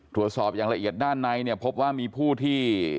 ตรวจสอบอย่างละเอียดด้านในเนี่ยพบว่ามีผู้ที่